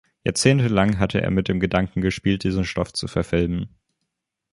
Jahrzehntelang hatte er mit dem Gedanken gespielt, diesen Stoff zu verfilmen.